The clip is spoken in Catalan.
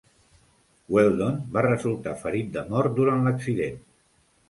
Wheldon va resultar ferit de mort durant l'accident.